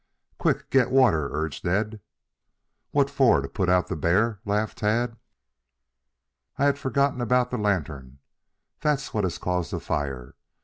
"Quick, get water!" urged Ned. "What for? To put out the bear?" laughed Tad. "I had forgotten about the lantern. That's what has caused the fire.